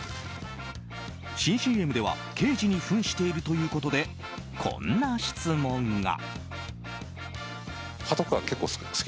新ＣＭでは刑事に扮しているということでこんな質問が。